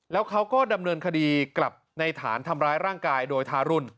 แล้วเขาก็ดำเนินคดีกลับในฐานทำร้ายร่างกายโดยทารุณ